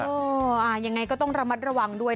ยังไงก็ต้องระมัดระวังด้วย